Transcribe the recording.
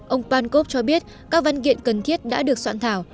ông pankov cho biết các văn kiện cần thiết đã được soạn thảo